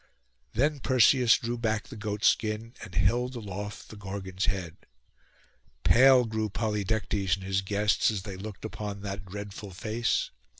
Then Perseus drew back the goat skin, and held aloft the Gorgon's head. Pale grew Polydectes and his guests as they looked upon that dreadful face.